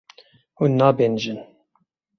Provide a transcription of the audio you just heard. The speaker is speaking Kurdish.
Hûn nabêhnijin.